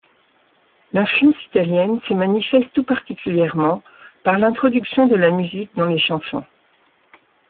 L’influence italienne se manifeste tout particulièrement par l’introduction de la musique dans les chansons.